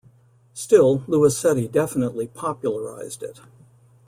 Still, Luisetti definitely popularized it.